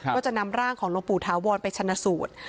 ก็จะนำร่างของหลวงปู่ถาวรไปชนะสูตร